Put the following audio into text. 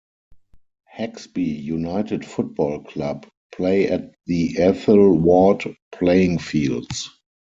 Haxby United Football Club play at the Ethel Ward Playing Fields.